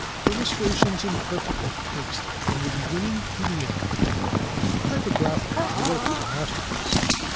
"Illustrations in Perfect Taste from the Beginning to the End." Typographically the work is a masterpiece.